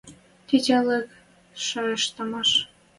Тетялык шайыштмаш